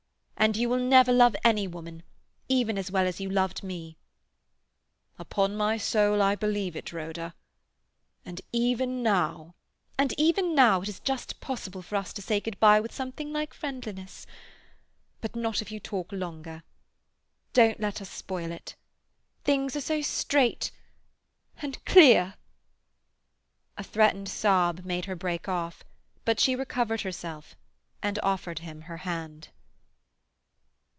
And you will never love any woman—even as well as you loved me." "Upon my soul, I believe it, Rhoda. And even now—" "And even now it is just possible for us to say good bye with something like friendliness. But not if you talk longer. Don't let us spoil it; things are so straight—and clear—" A threatened sob made her break off, but she recovered herself and offered him her hand.